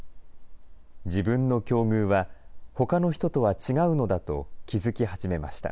自分の境遇はほかの人とは違うのだと気付き始めました。